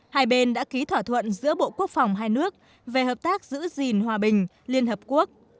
hai bên đã ký thỏa thuận giữa bộ quốc phòng hai nước về hợp tác giữ gìn hòa bình liên hợp quốc